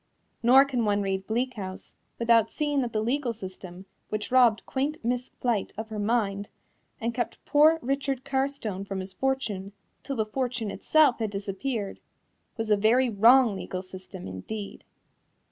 Nor can one read Bleak House without seeing that the legal system which robbed quaint Miss Flite of her mind and kept poor Richard Carstone from his fortune till the fortune itself had disappeared, was a very wrong legal system indeed.